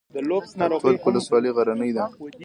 د تولک ولسوالۍ غرنۍ ده